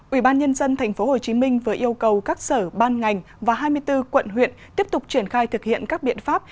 ủy ban nhân dân tp hcm vừa yêu cầu các sở ban ngành và hai mươi bốn quận huyện tiếp tục triển khai thực hiện các biện pháp